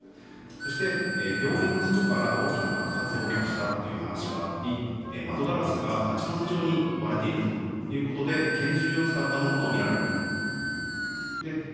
そして、病院から大きな爆発音がしたという話があり窓ガラスが蜂の巣状に割れているということで拳銃を使ったものとみられると。